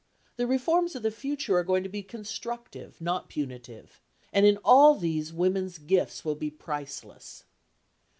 The reforms of the future are going to be constructive, not punitive, and in all these women's gifts will be priceless.